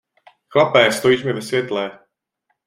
Chlape, stojíš mi ve světle!